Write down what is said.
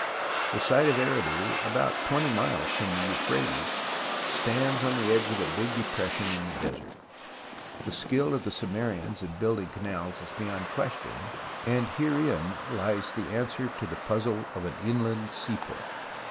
The site of Eridu, about 20 miles from the Euphrates, stands on the edge of a big depression in the desert. The skill of the Sumerians in build THE ROMANCE OF EXCAVATION 151 ing canals is beyond question, and herein lies the answer to the puzzle of an inland seaport.